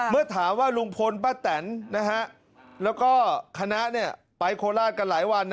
เมื่อถามว่าลุงพลป้าแตนแล้วก็คณะไปโคราชกันหลายวัน